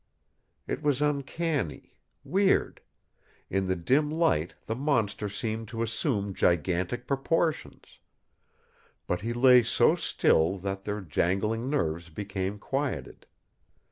It was uncanny, weird. In the dim light the monster seemed to assume gigantic proportions. But he lay so still that their jangling nerves became quieted.